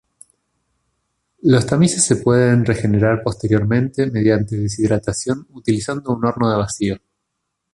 Los tamices se pueden regenerar posteriormente mediante deshidratación utilizando un horno de vacío.